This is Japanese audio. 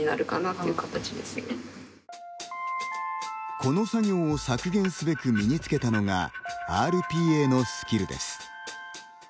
この作業を削減すべく身につけたのがＲＰＡのスキルです。